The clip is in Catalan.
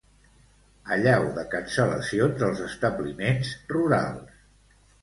Allau de cancel·lacions als establiments rurals.